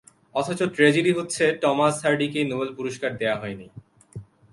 অথচ ট্রাজিডি হচ্ছে, Thomas হার্ডিকেই Nobel পুরুষ্কার দেয়া হয় নি।